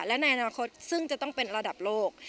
และในอนาคตซึ่งจะต้องเป็นระดับโลก